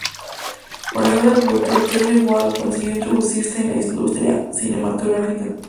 Con la ayuda del productor Jerry Wald consiguió introducirse en la industria cinematográfica.